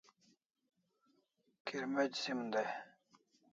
Kirmec' sim day